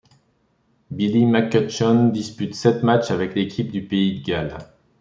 Billy McCutcheon dispute sept matchs avec l'équipe du pays de Galles.